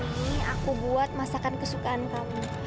ini aku buat masakan kesukaan kamu